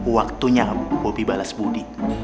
waktunya bobby balas budi